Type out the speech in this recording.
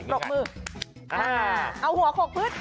ปลอกมือ